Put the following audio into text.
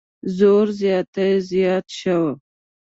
زور زیاتی زیات شو.